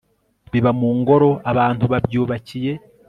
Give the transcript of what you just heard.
biba mu ngoro abantu babyubakiye